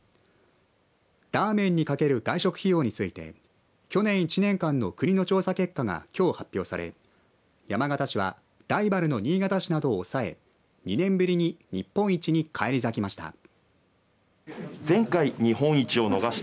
ラーメンにかける外食費用について去年１年間の国の調査結果がきょう発表され山形市はライバルの新潟市などを抑え２年ぶりに日本一に返り咲きました。